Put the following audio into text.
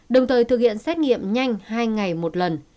đồng thời thực hiện xét nghiệm nhanh hai ngày một lần